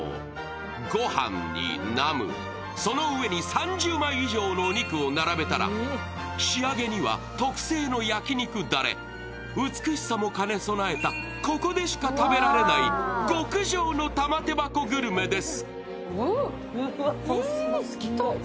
ご飯にナムル、その上に３０枚以上のお肉を並べたら、仕上げには特製の焼き肉だれ、美しさも兼ね備えた、ここでしか食べられない極上の玉手箱グルメです。